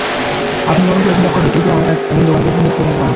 আপনি বরং পুরাতন ল্যাপটপ বিক্রি করে—এমন দোকানগুলাতে গিয়ে খোঁজ নিতে পারেন।